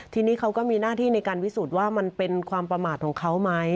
ทีนี้เขาก็มีหน้าที่ในการพิสูจน์ว่ามันเป็นความประมาทของเขาไหม